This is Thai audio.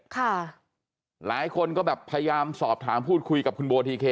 ค่ะหลายคนก็แบบพยายามสอบถามพูดคุยกับคุณโบทีเค